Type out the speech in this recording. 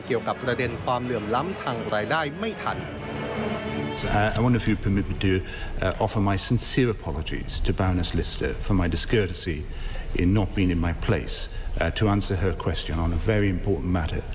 เกี่ยวกับประเด็นความเหลื่อมล้ำทางรายได้ไม่ทัน